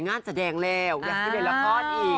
งานแสดงแล้วอยากได้เห็นละครอสอีก